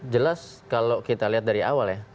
jelas kalau kita lihat dari awal ya